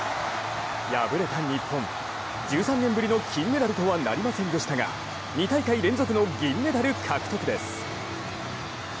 敗れた日本、１３年ぶりの金メダルとはなりませんでしたが２大会連続の銀メダル獲得です。